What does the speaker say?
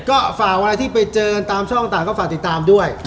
ก็ฝากอะไรที่ไปเจอกันตามช่องต่างก็ฝากติดตามด้วย